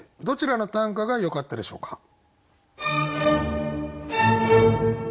どちらの短歌がよかったでしょうか。